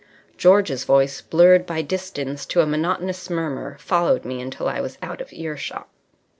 George's voice, blurred by distance to a monotonous murmur, followed me until I was out of earshot.